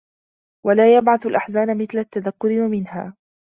وَلَا يَبْعَثُ الْأَحْزَانَ مِثْلُ التَّذَكُّرِ وَمِنْهَا